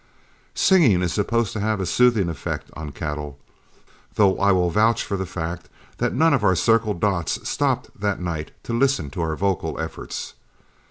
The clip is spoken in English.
Singing is supposed to have a soothing effect on cattle, though I will vouch for the fact that none of our Circle Dots stopped that night to listen to our vocal efforts.